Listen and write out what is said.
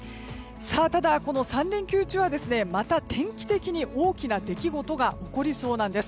ただ、３連休中はまた天気的に大きな出来事が起こりそうなんです。